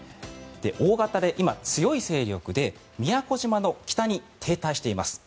大型で今、強い勢力で宮古島の北に停滞しています。